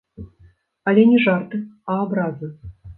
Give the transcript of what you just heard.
Але не жарты, а абразы.